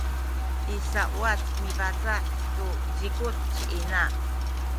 i sauwac mibaca’ tu zikuc ci ina